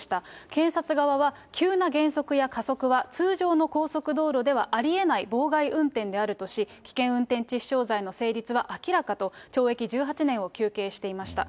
検察側は急な減速や加速は、通常の高速道路ではありえない妨害運転であるとし、危険運転致死傷罪の成立は明らかと、懲役１８年を求刑していました。